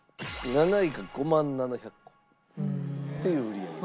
７位が５万７００個という売り上げですね。